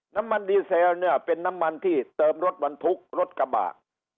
น้ำมันดีเซลเนี่ยเป็นน้ำมันที่เติมรถบรรทุกรถกระบะ